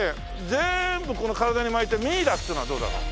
全部この体に巻いて「ミイラ」っていうのはどうだろう？